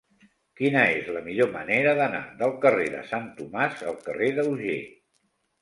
Quina és la millor manera d'anar del carrer de Sant Tomàs al carrer d'Auger?